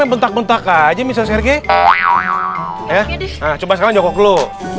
bentar bentar aja misal serge ya coba sekarang jokok lu